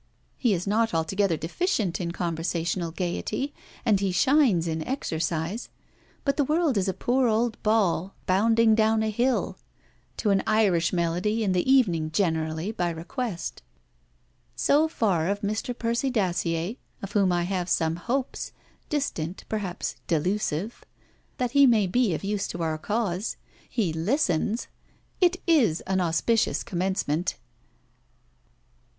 He is not altogether deficient in conversational gaiety, and he shines in exercise. But the world is a poor old ball bounding down a hill to an Irish melody in the evening generally, by request. So far of Mr. Percy Dacier, of whom I have some hopes distant, perhaps delusive that he may be of use to our cause. He listens. It is an auspicious commencement.'